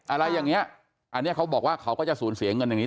อะไรอย่างนี้อันนี้เขาบอกว่าเขาก็จะสูญเสียเงินอย่างนี้